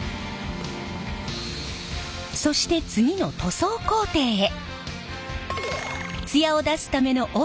そして次の塗装工程へ。